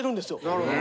なるほど。